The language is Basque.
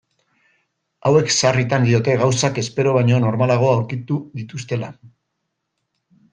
Hauek sarritan diote gauzak espero baino normalago aurkitu dituztela.